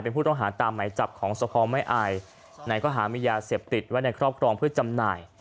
เป็นผู้ต้องหาตามหมายจับของสภอมแม่อายไหนก็หามียาเสพติดไว้ในครอบครองเพื่อจำหน่าย